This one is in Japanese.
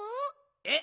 えっ？